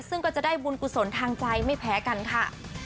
ซึ่งก็จะได้บุญกุศลทางใจไม่แพ้กันค่ะ